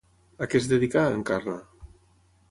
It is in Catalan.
A què es dedicà, Encarna?